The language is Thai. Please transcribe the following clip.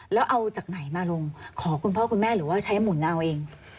แล้วเอาจากไหนมาลงขอคุณพ่อคุณแม่หรือว่าใช้หมุนเอาเอง